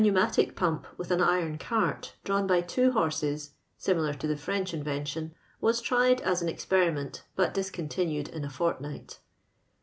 A pneumatic pump, with an iron cart, drawn by two horses (similar to the French inven tion), was tried as an experiment, but discon tinued in a fbrtnight.